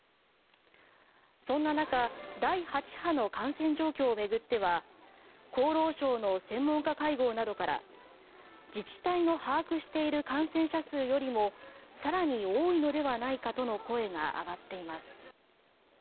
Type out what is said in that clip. そんな中第８波の感染状況を巡っては厚労省の専門家会合などから自治体の把握している感染者数よりも更に多いのではないかとの声が上がっています。